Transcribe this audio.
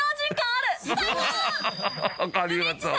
ありがとう。